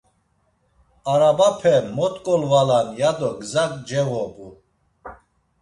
Arabape mot golvalan ya do gza ceğobu.